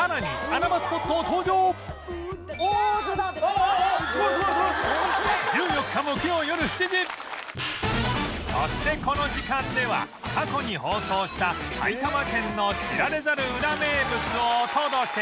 あああああそしてこの時間では過去に放送した埼玉県の知られざるウラ名物をお届け